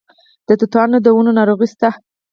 د توتانو د ونو ناروغي شته؟